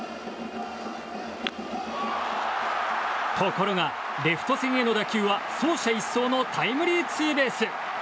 ところが、レフト線への打球は走者一掃のタイムリーツーベース。